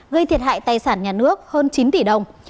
gây thiệt hại tài sản nhà nước hơn chín tỷ đồng